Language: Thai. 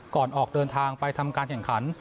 ออกเดินทางไปทำการแข่งขัน